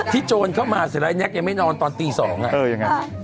โจรเข้ามาเสร็จแล้วไอแก๊กยังไม่นอนตอนตีสองอ่ะเออยังไง